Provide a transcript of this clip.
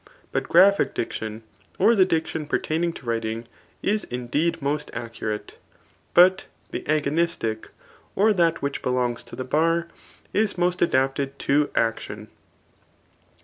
But graphic diction, or the diction pertaining to writing, is indeed most accurate; but the agonistic, or that which belongs to the bar, is most adapted to ac tion.